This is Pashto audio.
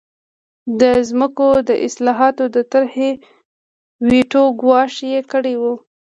د ځمکو د اصلاحاتو د طرحې ویټو ګواښ یې کړی و.